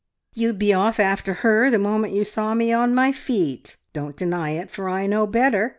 "You'd be off after her, the moment you saw me on my feet. Don't deny it, for I know better!"